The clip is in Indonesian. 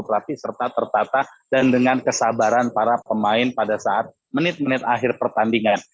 terlatih serta tertata dan dengan kesabaran para pemain pada saat menit menit akhir pertandingan